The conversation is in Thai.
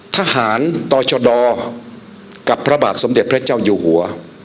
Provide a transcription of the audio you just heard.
ทหารต่อชดกับพระบาทสมเด็จพระเจ้าอยู่หัว